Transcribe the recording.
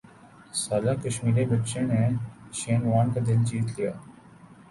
سالہ کشمیری بچے نے شین وارن کا دل جیت لیا